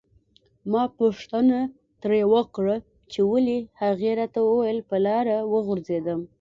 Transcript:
ما پوښتنه ترې وکړه چې ولې هغې راته وویل په لاره وغورځیدم.